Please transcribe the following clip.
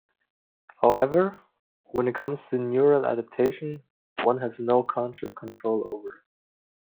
However, when it comes to neural adaptation, one has no conscious control over it.